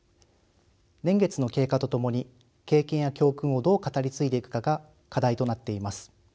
年月の経過とともに経験や教訓をどう語り継いでいくかが課題となっています。